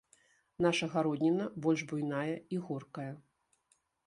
Наша гародніна больш буйная і горкая.